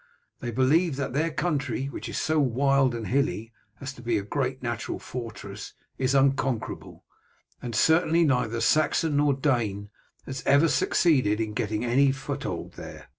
They believe that their country, which is so wild and hilly as to be a great natural fortress, is unconquerable, and certainly neither Saxon nor Dane has ever succeeded in getting any foothold there.